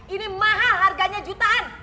ini mahal harganya jutaan